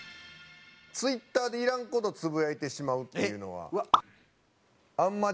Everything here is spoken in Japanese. Ｔｗｉｔｔｅｒでいらん事つぶやいてしまうっていうのは。